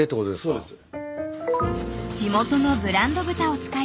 そうです。